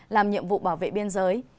làm nhiệm vụ bảo vệ biên giới